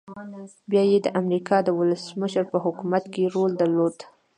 بيا يې د امريکا د ولسمشر په حکومت کې رول درلود.